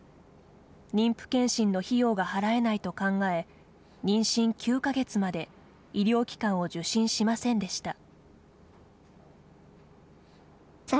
妊婦健診の費用が払えないと考え妊娠９か月まで医療機関を受診しませんでした。